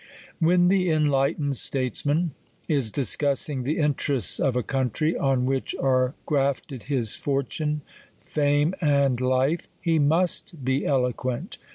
When the enlightened Statesman is discussing the interests of a country, on which are grafted his for tune, fame and life, he must be eloquent.